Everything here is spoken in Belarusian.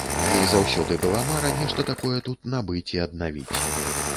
І заўсёды была мара нешта такое тут набыць і аднавіць.